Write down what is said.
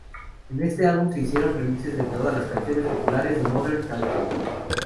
En este álbum se hicieron remixes a todas las canciones populares de Modern Talking